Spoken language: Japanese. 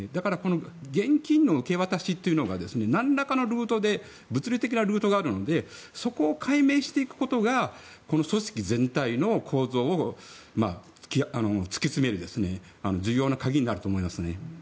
ですので、現金の受け渡しがなんらかのルートで物理的なルートがあるのでそこを解明していくことが組織全体の構造を突き詰める重要な鍵になると思います。